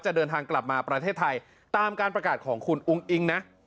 เดินทางกลับมาประเทศไทยตามการประกาศของคุณอุ้งอิงนะ